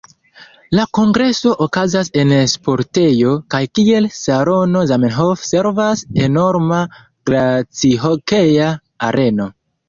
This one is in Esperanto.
La kongreso okazas en sportejo, kaj kiel salono Zamenhof servas enorma glacihokea areno.